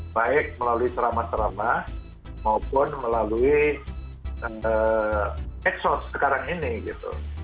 baik melalui ceramah ceramah maupun melalui exos sekarang ini gitu